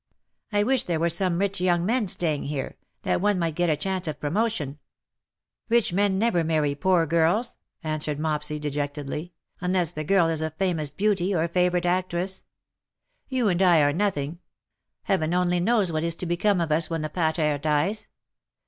'' I wish there were some rich young men staying here, that one might get a chance of promotion/^ '^ Rich men never marry poor girls/^ answered Mopsy, dejectedly, *^^ unless the girl is a famous beauty or a favourite actress. You and I are nothing. Heaven only knows what is to become of us when the pater dies.